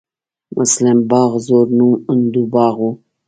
مسلم باغ زوړ نوم هندو باغ و